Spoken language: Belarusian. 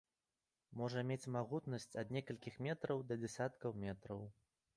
Можа мець магутнасць ад некалькіх метраў да дзясяткаў метраў.